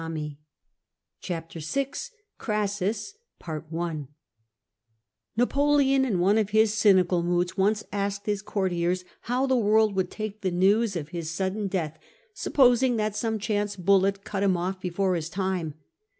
'" X< CHAPTER ¥1 CRASSUS Napoleon, in one of his cynical moods, once asked his conrtiers how the world would take the news of his sudden death, supposing that some chance bullet cut him off before his time.